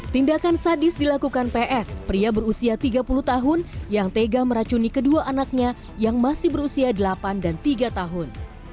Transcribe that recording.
tindakan sadis dilakukan ps pria berusia tiga puluh tahun yang tega meracuni kedua anaknya yang masih berusia delapan dan tiga tahun